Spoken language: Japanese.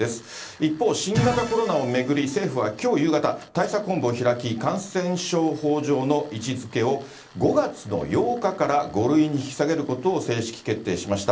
一方、新型コロナを巡り、政府はきょう夕方、対策本部を開き、感染症法上の位置づけを５月の８日から５類に引き下げることを正式決定しました。